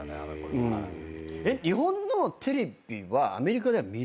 日本のテレビはアメリカでは見れるんですか？